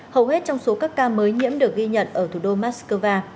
hầu hết trong số các ca mới nhiễm được ghi nhận ở thủ đô moscow